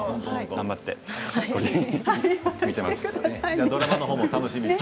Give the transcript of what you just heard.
頑張ってね。